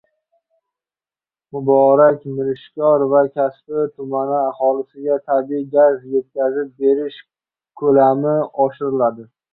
Muborak, Mirishkor va Kasbi tumani aholisiga tabiiy gaz yetkazib berish ko‘lami oshiriladi